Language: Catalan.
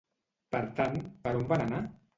Per tant, per on van anar?